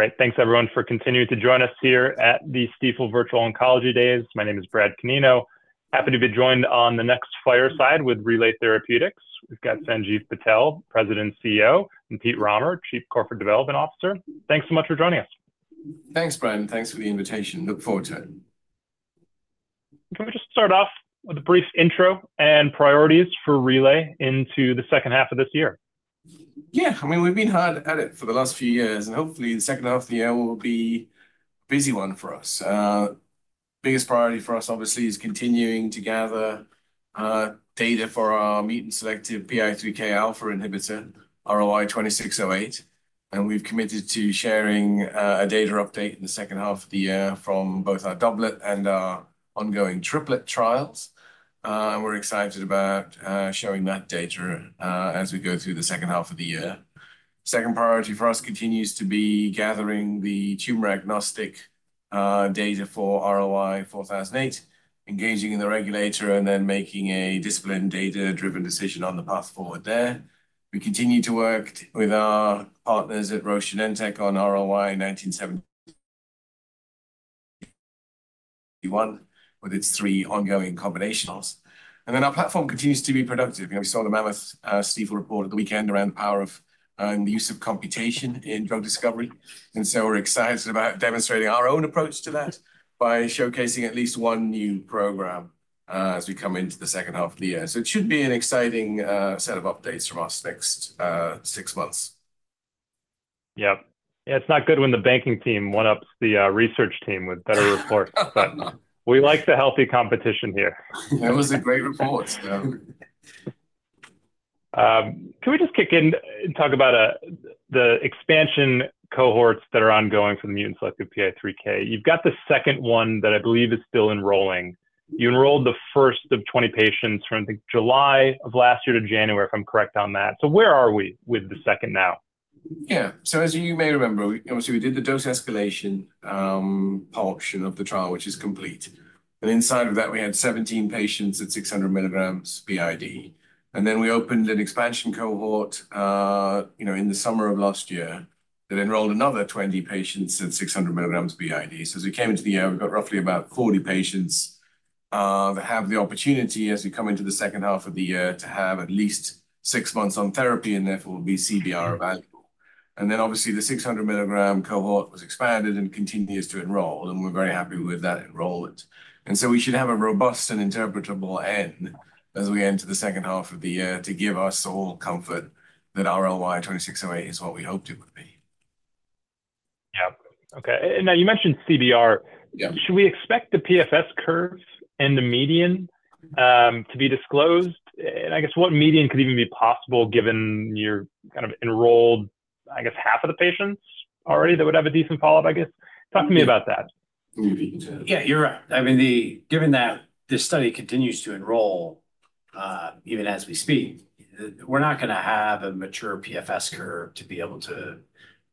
All right, thanks everyone for continuing to join us here at the Stifel Virtual Oncology Days. My name is Brad Canino. Happy to be joined on the next fireside with Relay Therapeutics. We've got Sanjiv Patel, President and CEO, and Peter Rahmer, Chief Corporate Development Officer. Thanks so much for joining us. Thanks, Brad. Thanks for the invitation. Look forward to it. Can we just start off with a brief intro and priorities for Relay into the second half of this year? Yeah. I mean, we've been hard at it for the last few years, and hopefully the second half of the year will be a busy one for us. Biggest priority for us, obviously, is continuing to gather data for our mutant selective PI3K alpha inhibitor, RLY-2608. And we've committed to sharing a data update in the second half of the year from both our doublet and our ongoing triplet trials. And we're excited about showing that data as we go through the second half of the year. Second priority for us continues to be gathering the tumor agnostic data for RLY-4008, engaging the regulators, and then making a disciplined data-driven decision on the path forward there. We continue to work with our partners at Roche Genentech on RLY-1971 with its three ongoing combinations. And then our platform continues to be productive. You know, we saw the mammoth Stifel report at the weekend around the power of the use of computation in drug discovery. And so we're excited about demonstrating our own approach to that by showcasing at least one new program, as we come into the second half of the year. So it should be an exciting set of updates from us next six months. Yep. Yeah, it's not good when the banking team one-ups the research team with better reports, but we like the healthy competition here. That was a great report. Can we just kick in and talk about the expansion cohorts that are ongoing for the mutant selective PI3K? You've got the second one that I believe is still enrolling. You enrolled the first of 20 patients from, I think, July of last year to January, if I'm correct on that. So where are we with the second now? Yeah. So as you may remember, obviously, we did the dose escalation portion of the trial, which is complete. And inside of that, we had 17 patients at 600 mg BID. And then we opened an expansion cohort, you know, in the summer of last year that enrolled another 20 patients at 600 mg BID. So as we came into the year, we've got roughly about 40 patients that have the opportunity, as we come into the second half of the year, to have at least six months on therapy and therefore will be CBR available. And then obviously, the 600 mg cohort was expanded and continues to enroll, and we're very happy with that enrollment. And so we should have a robust and interpretable end as we enter the second half of the year to give us all comfort that RLY-2608 is what we hoped it would be. Yep. Okay. And now you mentioned CBR. Should we expect the PFS curve and the median to be disclosed? And I guess what median could even be possible given your kind of enrolled, I guess, half of the patients already that would have a decent follow-up, I guess? Talk to me about that. Yeah, you're right. I mean, given that this study continues to enroll, even as we speak, we're not going to have a mature PFS curve to be able to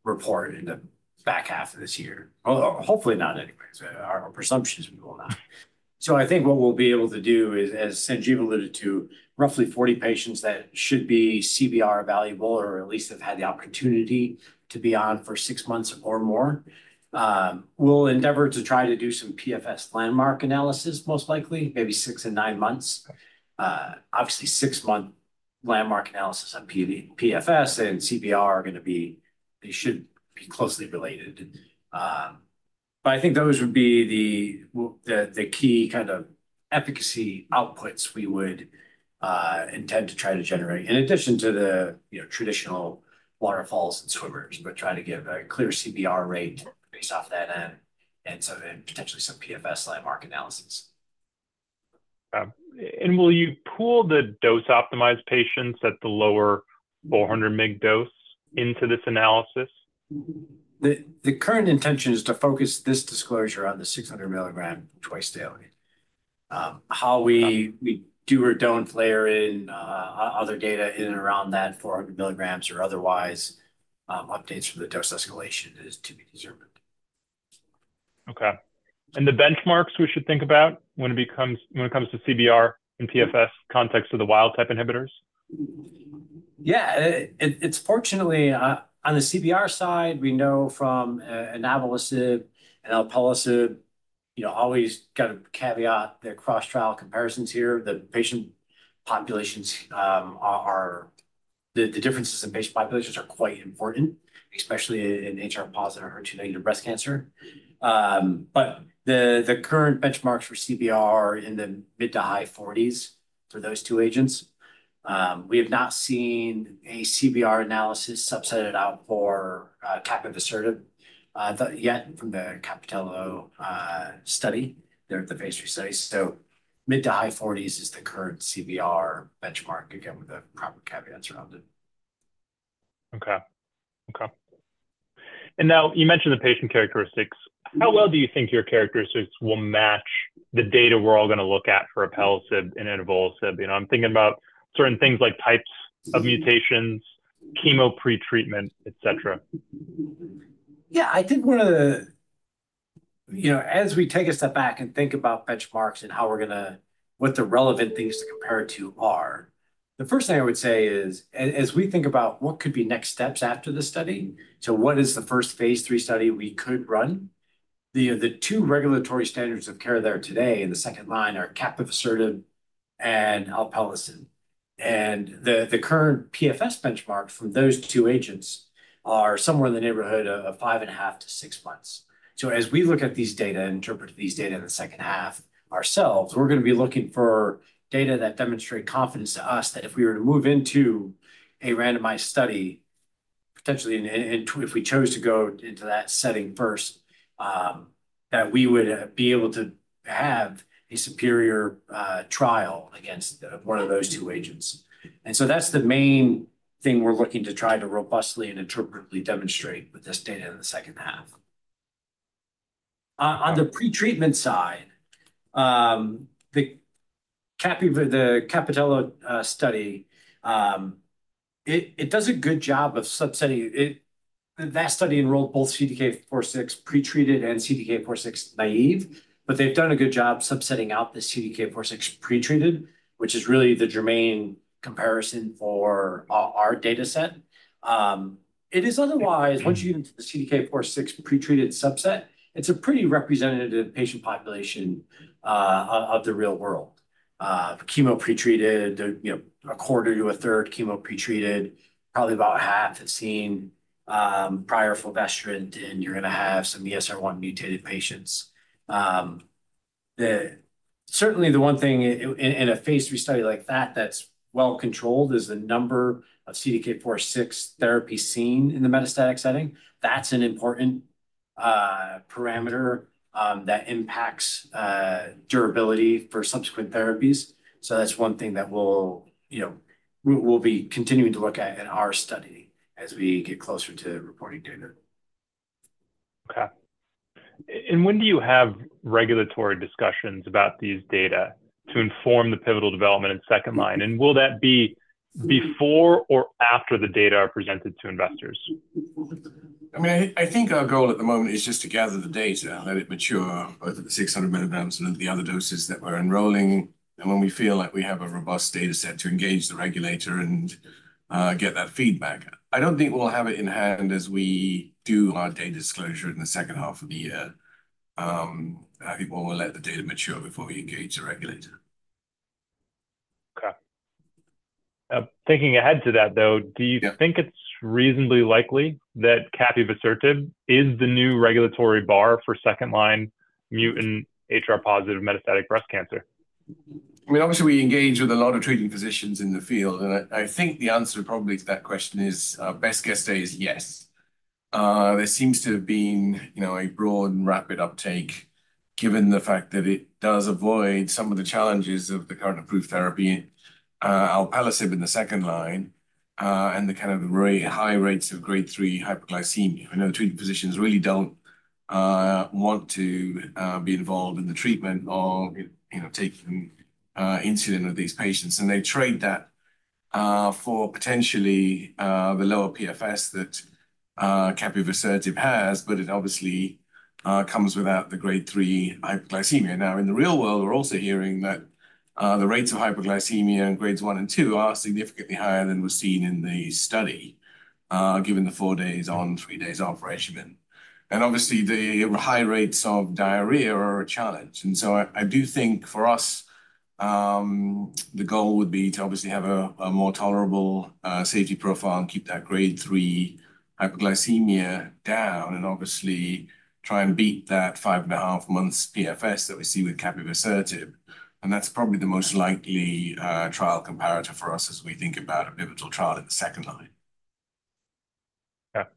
report in the back half of this year. Well, hopefully not anyway. Our presumption is we will not. So I think what we'll be able to do is, as Sanjiv alluded to, roughly 40 patients that should be CBR available or at least have had the opportunity to be on for six months or more, we'll endeavor to try to do some PFS landmark analysis, most likely, maybe six and nine months. Obviously, six-month landmark analysis on PFS and CBR are going to be they should be closely related. But I think those would be the key kind of efficacy outputs we would intend to try to generate, in addition to the, you know, traditional waterfalls and swimmers, but try to give a clear CBR rate based off that end and some potentially PFS landmark analysis. Will you pool the dose-optimized patients at the lower 400-mg dose into this analysis? The current intention is to focus this disclosure on the 600 mg twice daily. How we do or don't layer in other data in and around that 400 mg or otherwise, updates from the dose escalation is to be determined. Okay. And the benchmarks we should think about when it comes to CBR and PFS context of the wild-type inhibitors? Yeah. Fortunately, on the CBR side, we know from analysis of alpelisib, you know, always got to caveat their cross-trial comparisons here. The differences in patient populations are quite important, especially in HR positive or HER2 negative breast cancer. But the current benchmarks for CBR are in the mid- to high 40s for those two agents. We have not seen a CBR analysis broken out for capivasertib yet from the CAPItello-291 study. That's the phase III study. So mid- to high 40s is the current CBR benchmark, again, with the proper caveats around it. Okay. Okay. Now you mentioned the patient characteristics. How well do you think your characteristics will match the data we're all going to look at for alpelisib and inavolisib? You know, I'm thinking about certain things like types of mutations, chemo pretreatment, etc. Yeah. I think one of the, you know, as we take a step back and think about benchmarks and how we're going to what the relevant things to compare it to are, the first thing I would say is, as we think about what could be next steps after the study, so what is the first phase III study we could run, the two regulatory standards of care there today in the second line are capivasertib and alpelisib. And the current PFS benchmark from those two agents are somewhere in the neighborhood of 5.5-six months. So as we look at these data and interpret these data in the second half ourselves, we're going to be looking for data that demonstrate confidence to us that if we were to move into a randomized study, potentially if we chose to go into that setting first, that we would be able to have a superior trial against one of those two agents. And so that's the main thing we're looking to try to robustly and interpretably demonstrate with this data in the second half. On the pretreatment side, the CAPItello study. It does a good job of subsetting. That study enrolled both CDK4/6 pretreated and CDK4/6 naive, but they've done a good job subsetting out the CDK4/6 pretreated, which is really the germane comparison for our dataset. It is otherwise, once you get into the CDK4/6 pretreated subset, it's a pretty representative patient population of the real world. Chemo pretreated, you know, a quarter to a third chemo pretreated, probably about half have seen prior fulvestrant, and you're going to have some ESR1 mutated patients. Certainly, the one thing in a phase III study like that that's well controlled is the number of CDK4/6 therapies seen in the metastatic setting. That's an important parameter that impacts durability for subsequent therapies. So that's one thing that we'll, you know, we'll be continuing to look at in our study as we get closer to reporting data. Okay. When do you have regulatory discussions about these data to inform the pivotal development in second line? Will that be before or after the data are presented to investors? I mean, I think our goal at the moment is just to gather the data, let it mature, both at the 600 mg and at the other doses that we're enrolling, and when we feel like we have a robust dataset to engage the regulator and get that feedback. I don't think we'll have it in hand as we do our data disclosure in the second half of the year. I think we'll let the data mature before we engage the regulator. Okay. Thinking ahead to that, though, do you think it's reasonably likely that capivasertib is the new regulatory bar for second-line mutant HR positive metastatic breast cancer? I mean, obviously, we engage with a lot of treating physicians in the field, and I think the answer probably to that question is our best guess today is yes. There seems to have been, you know, a broad and rapid uptake given the fact that it does avoid some of the challenges of the current approved therapy, alpelisib in the second line, and the kind of high rates of grade three hyperglycemia. I know the treating physicians really don't want to be involved in the treatment or, you know, taking insulin with these patients. And they trade that for potentially the lower PFS that capivasertib has, but it obviously comes without the grade three hyperglycemia. Now, in the real world, we're also hearing that the rates of hyperglycemia in grades one and two are significantly higher than were seen in the study, given the four days on, three days off regimen. And obviously, the high rates of diarrhea are a challenge. And so I do think for us, the goal would be to obviously have a more tolerable safety profile and keep that grade three hyperglycemia down and obviously try and beat that five and a half months PFS that we see with capivasertib. And that's probably the most likely trial comparator for us as we think about a pivotal trial in the second line. Okay.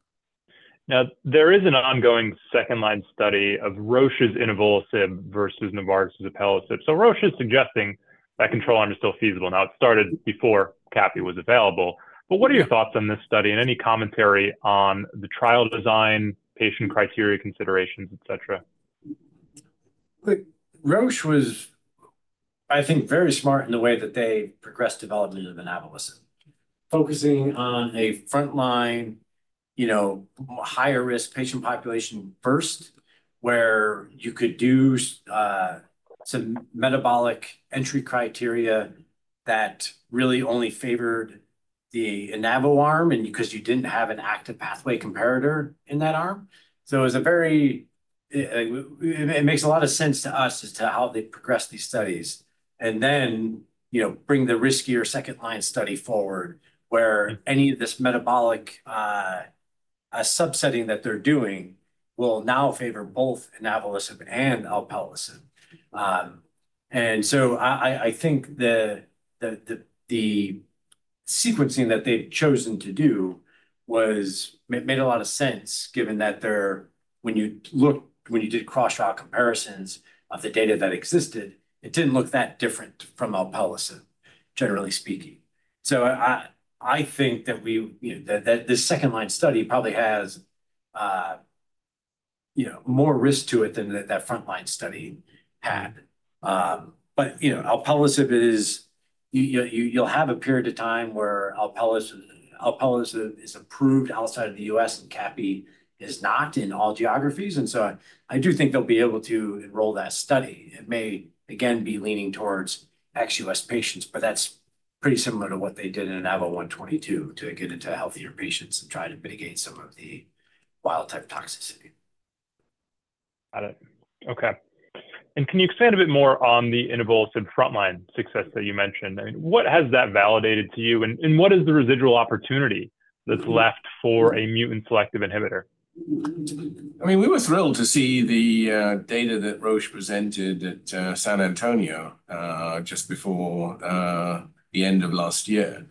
Now, there is an ongoing second-line study of Roche's inavolisib versus Novartis' alpelisib. So Roche's suggesting that control under still feasible. Now, it started before capi was available. But what are your thoughts on this study and any commentary on the trial design, patient criteria considerations, etc.? Roche was, I think, very smart in the way that they progressed development of inavolisib, focusing on a frontline, you know, higher-risk patient population first, where you could do some metabolic entry criteria that really only favored the inavolisib arm because you didn't have an active pathway comparator in that arm. So it was very, it makes a lot of sense to us as to how they progress these studies. And then, you know, bring the riskier second-line study forward where any of this metabolic subsetting that they're doing will now favor both inavolisib and alpelisib. And so I think the sequencing that they've chosen to do was made a lot of sense given that when you looked when you did cross-trial comparisons of the data that existed, it didn't look that different from alpelisib, generally speaking. So I think that we, you know, that this second-line study probably has, you know, more risk to it than that front-line study had. But, you know, alpelisib, you'll have a period of time where alpelisib is approved outside of the U.S. and capivasertib is not in all geographies. And so I do think they'll be able to enroll that study. It may, again, be leaning towards ex-U.S. patients, but that's pretty similar to what they did in INAVO122 to get into healthier patients and try to mitigate some of the wild-type toxicity. Got it. Okay. And can you expand a bit more on the inavolisib front-line success that you mentioned? I mean, what has that validated to you? And what is the residual opportunity that's left for a mutant selective inhibitor? I mean, we were thrilled to see the data that Roche presented at San Antonio just before the end of last year.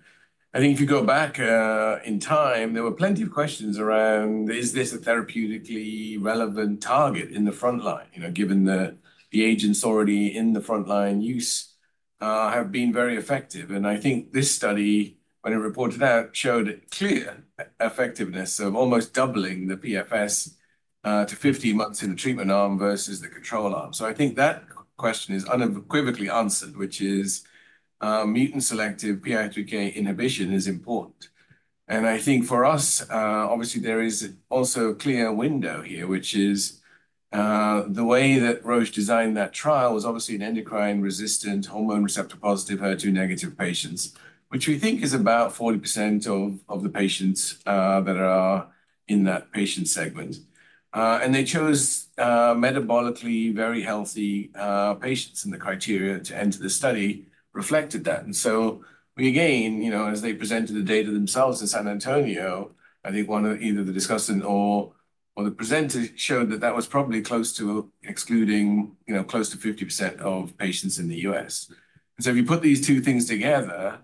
I think if you go back in time, there were plenty of questions around, is this a therapeutically relevant target in the front line, you know, given that the agents already in the front line use have been very effective. And I think this study, when it reported out, showed clear effectiveness of almost doubling the PFS to 50 months in the treatment arm versus the control arm. So I think that question is unequivocally answered, which is mutant selective PI3K inhibition is important. I think for us, obviously, there is also a clear window here, which is the way that Roche designed that trial was obviously in endocrine-resistant hormone receptor positive HER2 negative patients, which we think is about 40% of the patients that are in that patient segment. They chose metabolically very healthy patients in the criteria to enter the study reflected that. So we, again, you know, as they presented the data themselves in San Antonio, I think one of either the discussant or the presenter showed that that was probably close to excluding, you know, close to 50% of patients in the U.S. So if you put these two things together,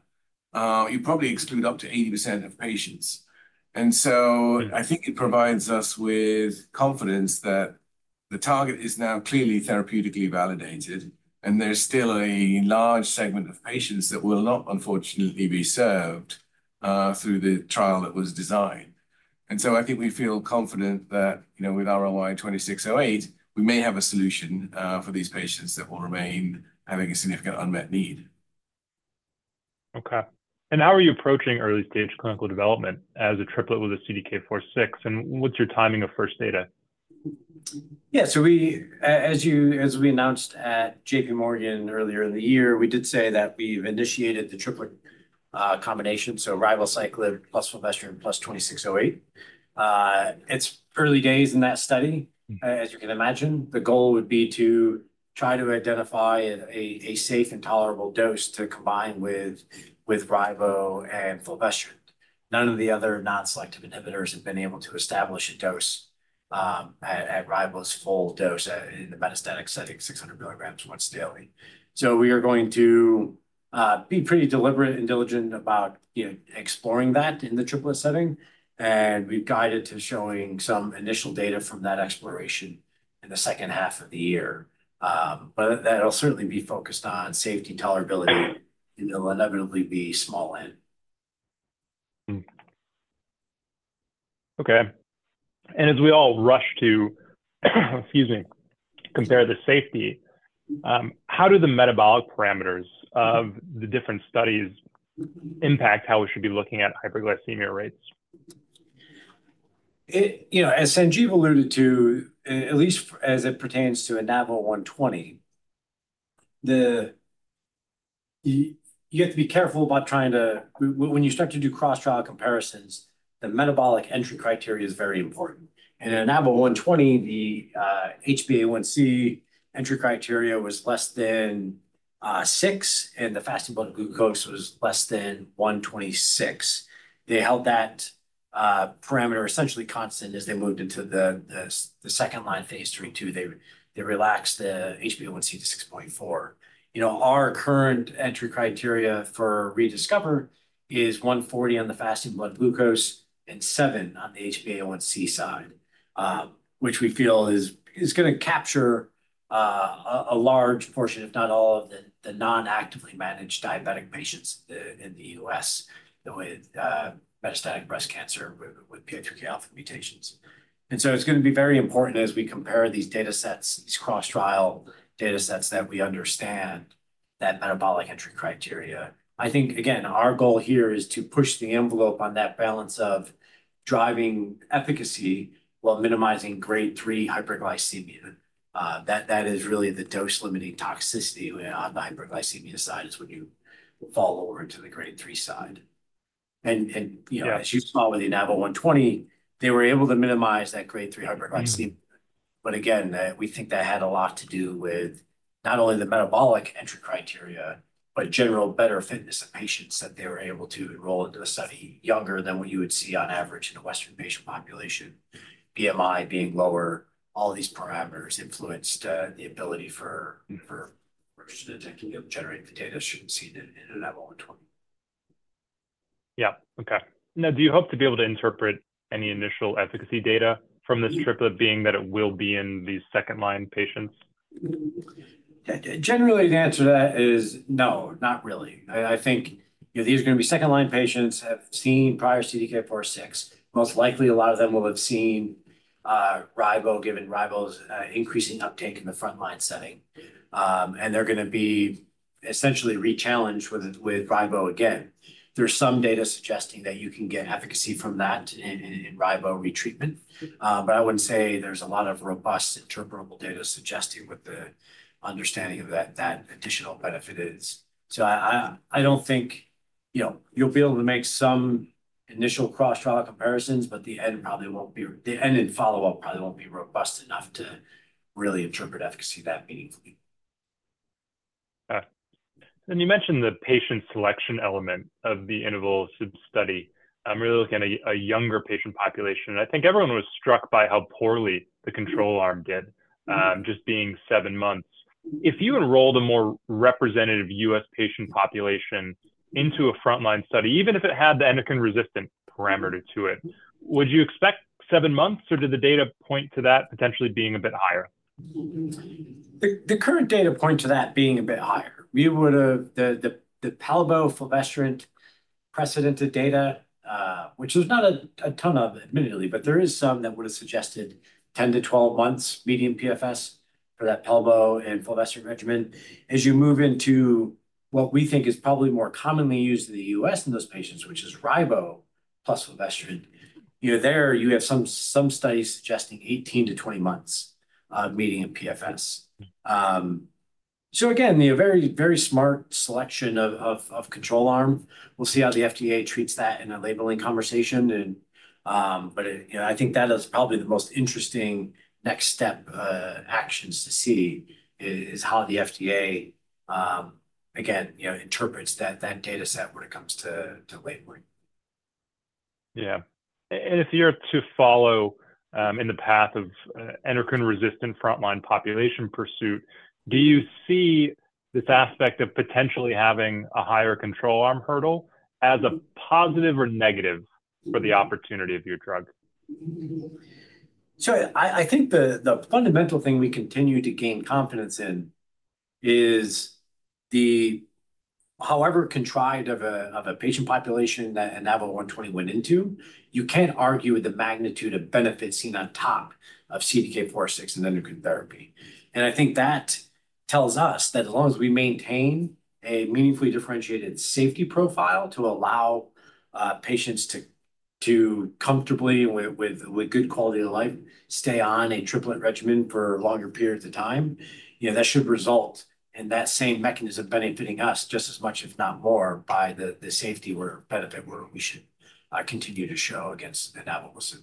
you probably exclude up to 80% of patients. And so I think it provides us with confidence that the target is now clearly therapeutically validated, and there's still a large segment of patients that will not, unfortunately, be served through the trial that was designed. And so I think we feel confident that, you know, with RLY-2608, we may have a solution for these patients that will remain having a significant unmet need. Okay. And how are you approaching early-stage clinical development as a triplet with a CDK4/6? And what's your timing of first data? Yeah. So we, as we announced at JPMorgan earlier in the year, we did say that we've initiated the triplet combination, so ribociclib plus fulvestrant plus 2608. It's early days in that study, as you can imagine. The goal would be to try to identify a safe and tolerable dose to combine with ribo and fulvestrant. None of the other non-selective inhibitors have been able to establish a dose at ribo's full dose in the metastatic setting, 600 mg once daily. So we are going to be pretty deliberate and diligent about, you know, exploring that in the triplet setting. And we've guided to showing some initial data from that exploration in the second half of the year. But that'll certainly be focused on safety tolerability and will inevitably be small end. Okay. As we all rush to, excuse me, compare the safety, how do the metabolic parameters of the different studies impact how we should be looking at hyperglycemia rates? You know, as Sanjiv alluded to, at least as it pertains to INAVO120, you have to be careful about trying to when you start to do cross-trial comparisons, the metabolic entry criteria is very important. In an INAVO120, the HbA1c entry criteria was less than six, and the fasting blood glucose was less than 126. They held that parameter essentially constant as they moved into the second-line phase III too. They relaxed the HbA1c to 6.4. You know, our current entry criteria for ReDiscover is 140 on the fasting blood glucose and seven on the HbA1c side, which we feel is going to capture a large portion, if not all, of the non-actively managed diabetic patients in the U.S. with metastatic breast cancer with PI3K alpha mutations. So it's going to be very important as we compare these datasets, these cross-trial datasets that we understand the metabolic entry criteria. I think, again, our goal here is to push the envelope on that balance of driving efficacy while minimizing grade 3 hyperglycemia. That is really the dose-limiting toxicity on the hyperglycemia side, which is when you fall over into the grade 3 side. And, you know, as you saw with the INAVO120, they were able to minimize that grade 3 hyperglycemia. But again, we think that had a lot to do with not only the metabolic entry criteria, but general better fitness of patients that they were able to enroll into the study younger than what you would see on average in the Western patient population, BMI being lower, all of these parameters influenced the ability for Roche to generate the data as you can see in INAVO120. Yeah. Okay. Now, do you hope to be able to interpret any initial efficacy data from this triplet being that it will be in these second-line patients? Generally, the answer to that is no, not really. I think, you know, these are going to be second-line patients who have seen prior CDK4/6. Most likely, a lot of them will have seen ribo given ribo's increasing uptake in the front-line setting. And they're going to be essentially rechallenged with ribo again. There's some data suggesting that you can get efficacy from that in rivo retreatment. But I wouldn't say there's a lot of robust interpretable data suggesting what the understanding of that additional benefit is. So I don't think, you know, you'll be able to make some initial cross-trial comparisons, but the end probably won't be the end and follow-up probably won't be robust enough to really interpret efficacy that meaningfully. Okay. You mentioned the patient selection element of the inavolisib study. I'm really looking at a younger patient population. I think everyone was struck by how poorly the control arm did, just being seven months. If you enrolled a more representative U.S. patient population into a front-line study, even if it had the endocrine-resistant parameter to it, would you expect seven months, or did the data point to that potentially being a bit higher? The current data point to that being a bit higher. We would have the palbo/fulvestrant precedented data, which there's not a ton of, admittedly, but there is some that would have suggested 10-12 months median PFS for that palbo and fulvestrant regimen. As you move into what we think is probably more commonly used in the U.S. in those patients, which is ribo plus fulvestrant, you know, there you have some studies suggesting 18-20 months of median PFS. So again, you know, very, very smart selection of control arm. We'll see how the FDA treats that in a labeling conversation. But I think that is probably the most interesting next step actions to see is how the FDA, again, you know, interprets that dataset when it comes to labeling. Yeah. And if you're to follow in the path of endocrine-resistant front-line population pursuit, do you see this aspect of potentially having a higher control arm hurdle as a positive or negative for the opportunity of your drug? So I think the fundamental thing we continue to gain confidence in is that however contrived a patient population that an INAVO120 went into, you can't argue with the magnitude of benefit seen on top of CDK4/6 and endocrine therapy. And I think that tells us that as long as we maintain a meaningfully differentiated safety profile to allow patients to comfortably and with good quality of life stay on a triplet regimen for longer periods of time, you know, that should result in that same mechanism benefiting us just as much, if not more, by the safety or benefit where we should continue to show against an INAVO120.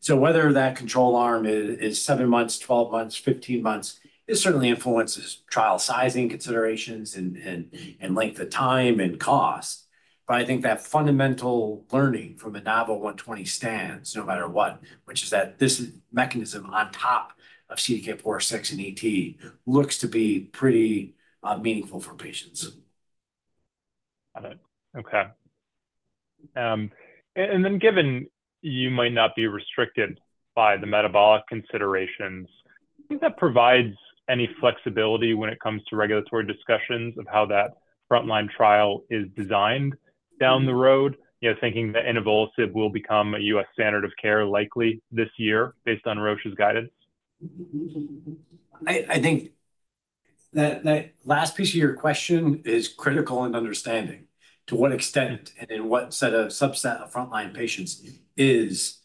So whether that control arm is seven months, 12 months, 15 months, it certainly influences trial sizing considerations and length of time and cost. But I think that fundamental learning from an INAVO120 stands no matter what, which is that this mechanism on top of CDK4/6 and ET looks to be pretty meaningful for patients. Got it. Okay. Then given you might not be restricted by the metabolic considerations, do you think that provides any flexibility when it comes to regulatory discussions of how that front-line trial is designed down the road, you know, thinking that inavolisib will become a U.S. standard of care likely this year based on Roche's guidance? I think that last piece of your question is critical in understanding to what extent and in what set of subset of front-line patients is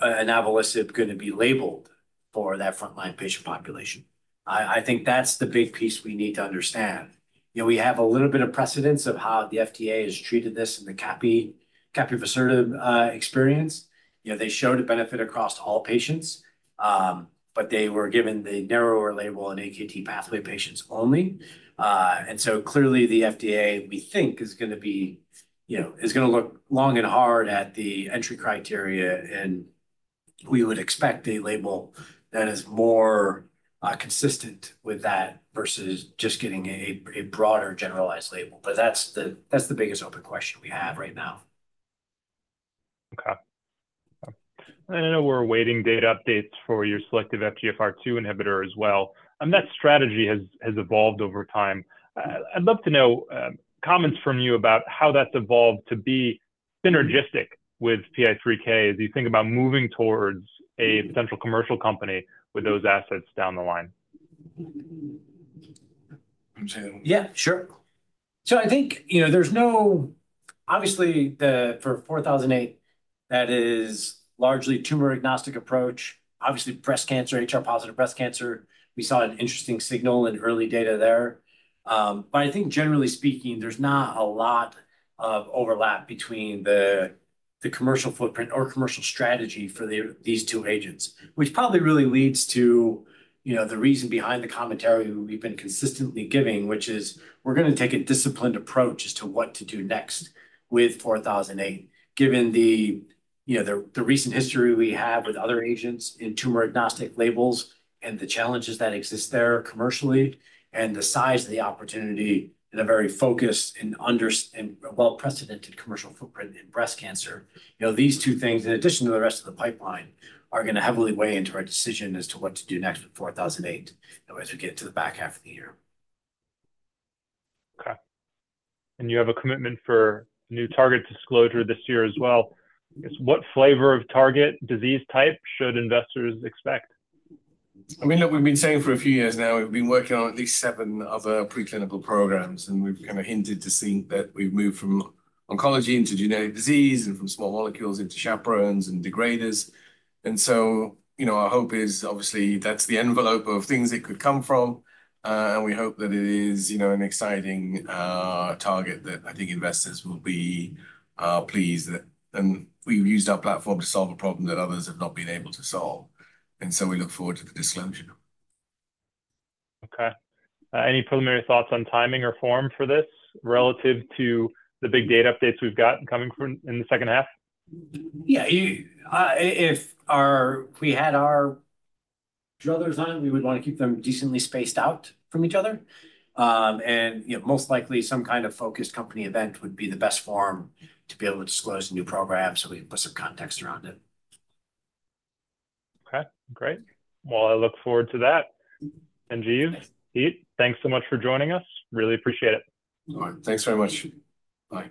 an INAVO120 going to be labeled for that front-line patient population. I think that's the big piece we need to understand. You know, we have a little bit of precedent of how the FDA has treated this in the capivasertib experience. You know, they showed a benefit across all patients, but they were given the narrower label on AKT pathway patients only. And so clearly, the FDA, we think, is going to be, you know, is going to look long and hard at the entry criteria. And we would expect a label that is more consistent with that versus just getting a broader generalized label. But that's the biggest open question we have right now. Okay. I know we're awaiting data updates for your selective FGFR2 inhibitor as well. That strategy has evolved over time. I'd love to know comments from you about how that's evolved to be synergistic with PI3K as you think about moving towards a potential commercial company with those assets down the line. I'm saying that one. Yeah, sure. So I think, you know, there's no, obviously, for 4008, that is largely tumor-agnostic approach. Obviously, breast cancer, HR-positive breast cancer, we saw an interesting signal in early data there. But I think, generally speaking, there's not a lot of overlap between the commercial footprint or commercial strategy for these two agents, which probably really leads to, you know, the reason behind the commentary we've been consistently giving, which is we're going to take a disciplined approach as to what to do next with 4008, given the, you know, the recent history we have with other agents in tumor-agnostic labels and the challenges that exist there commercially and the size of the opportunity in a very focused and well-precedented commercial footprint in breast cancer. You know, these two things, in addition to the rest of the pipeline, are going to heavily weigh into our decision as to what to do next with 4008 as we get into the back half of the year. Okay. And you have a commitment for new target disclosure this year as well. I guess what flavor of target disease type should investors expect? I mean, look, we've been saying for a few years now, we've been working on at least seven other preclinical programs. And we've kind of hinted to see that we've moved from oncology into genetic disease and from small molecules into chaperones and degraders. And so, you know, our hope is, obviously, that's the envelope of things it could come from. And we hope that it is, you know, an exciting target that I think investors will be pleased that and we've used our platform to solve a problem that others have not been able to solve. And so we look forward to the disclosure. Okay. Any preliminary thoughts on timing or form for this relative to the big data updates we've got coming from in the second half? Yeah. If we had our druthers on it, we would want to keep them decently spaced out from each other. And, you know, most likely, some kind of focused company event would be the best form to be able to disclose a new program so we can put some context around it. Okay. Great. Well, I look forward to that. Sanjiv, Pete, thanks so much for joining us. Really appreciate it. All right. Thanks very much. Bye.